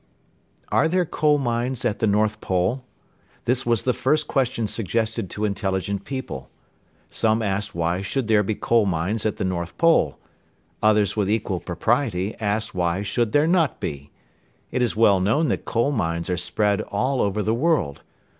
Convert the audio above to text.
Are there coal mines at the North Pole? This was the first question suggested to intelligent people. Some asked why should there be coal mines at the North Pole? Others with equal propriety asked why should there not be? It is well known that coal mines are spread all over the world.